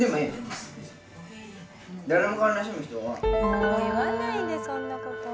もう言わないでそんな事。